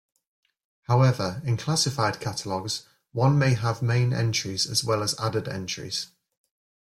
However, in classified catalogs one may have main entries as well as added entries.